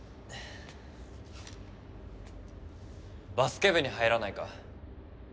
バスケ部に入らないか？